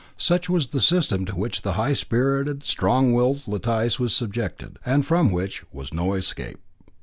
Such was the system to which the high spirited, strong willed Letice was subjected, and from which was no escape.